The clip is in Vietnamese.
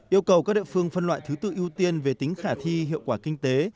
yêu cầu các địa phương phân loại thứ tự ưu tiên về tính khả thi hiệu quả kinh tế